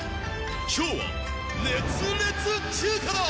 今日は熱烈中華だ。